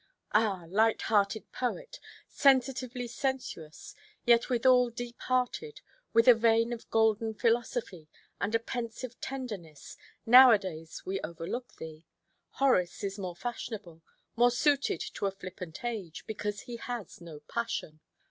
Ah! light–hearted poet, sensitively sensuous, yet withal deep–hearted, with a vein of golden philosophy, and a pensive tenderness, now–a–days we overlook thee. Horace is more fashionable, more suited to a flippant age, because he has no passion.